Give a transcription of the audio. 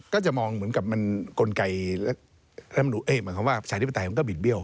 ก็จะมองเหมือนกับมันกลไกรัฐมนุนหมายความว่าประชาธิปไตยมันก็บิดเบี้ย